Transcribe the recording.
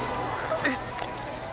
えっ！？